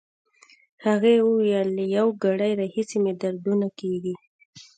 هغې وویل: له یو ګړی راهیسې مې دردونه کېږي.